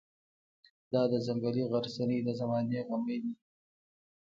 دا د ځنګلي غرڅنۍ د زمانې غمی دی.